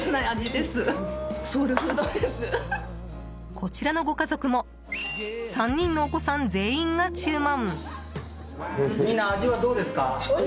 こちらのご家族も３人のお子さん全員が注文。